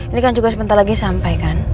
ini kan juga sebentar lagi sampai kan